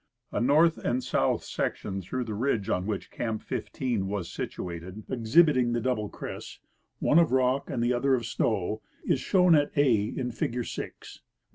A north and south section through the ridge on which Camp 15 was situated, exhibiting the double crests, one of rock and the other of snow, is shown at a in figure 6.